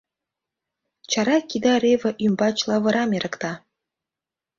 Чара кида реве ӱмбач лавырам эрыкта.